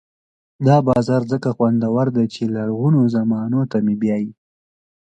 دا بازار ځکه خوندور دی چې لرغونو زمانو ته مې بیايي.